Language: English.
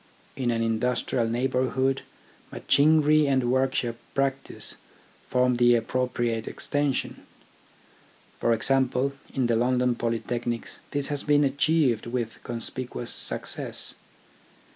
In an industrial neighbourhood, machinery and workshop practice form the appropriate extension. 'For example, in the London Polytechnics this has been achieved with conspicuous success.